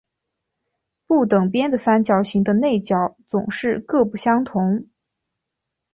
不等边三角形的内角总是各不相同。